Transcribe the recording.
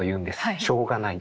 「しょうがない。